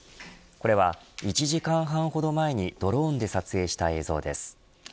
これは１時間半ほど前にドローンで撮影した映像です。